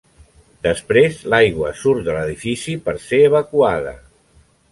Després l'aigua surt de l'edifici per ser evacuada.